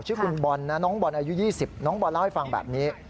ชื่อคุณบอลนะน้องบอลอายุ๒๐น้องบอลเล่าให้ฟังแบบนี้